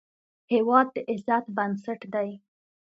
هېواد د عزت بنسټ دی.